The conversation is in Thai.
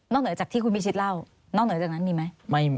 เหนือจากที่คุณพิชิตเล่านอกเหนือจากนั้นมีไหม